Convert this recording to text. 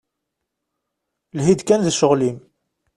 Lhi-d kan d ccɣel-im.